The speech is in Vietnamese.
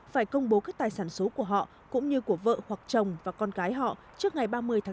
phải công bố các tài sản số của họ cũng như của vợ hoặc chồng và con gái họ trước ngày ba mươi sáu hai nghìn hai mươi một